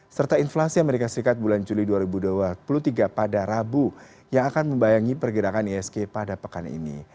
serta inflasi amerika serikat bulan juli dua ribu dua puluh tiga pada rabu yang akan membayangi pergerakan isg pada pekan ini